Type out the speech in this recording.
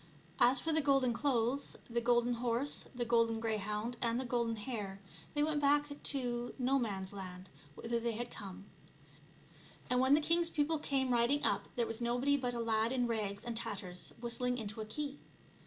As for the golden clothes, the golden horse, the golden greyhound, and the golden hare, they went back to Nomans land whither they had come ; and when the king's people came riding up there was nobody but a lad in rags and tatters whistling into a key.